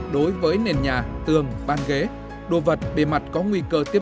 bốn khử khuẩn ít nhất một lần một ngày